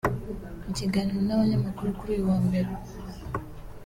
mu kiganiro n’abanyamakuru kuri uyu wa Mbere